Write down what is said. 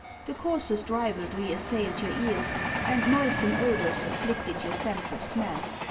The coarsest ribaldry assailed your ears, and noisome odours afflicted your sense of smell.